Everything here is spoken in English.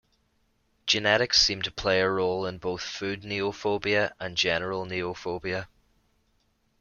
Genetics seem to play a role in both food neophobia and general neophobia.